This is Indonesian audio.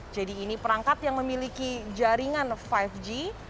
jadi ini perangkat yang memiliki jaringan lima g